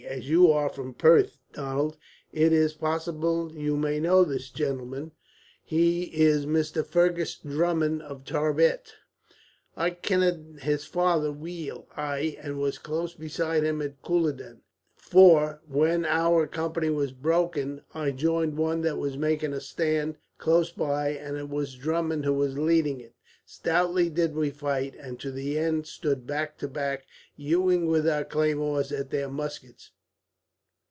As you are from Perth, Donald, it is possible you may know this gentleman. He is Mr. Fergus Drummond, of Tarbet." "I kenned his father weel; aye, and was close beside him at Culloden, for when our company was broken I joined one that was making a stand, close by, and it was Drummond who was leading it. Stoutly did we fight, and to the end stood back to back, hewing with our claymores at their muskets.